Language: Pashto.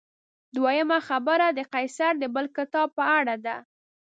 دویمه خبره د قیصر د بل کتاب په اړه ده.